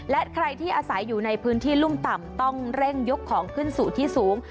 และใครที่อาศัยอยู่ในพื้นที่รุ่มต่ำต้องเร่งยกของขึ้นสู่ที่สูง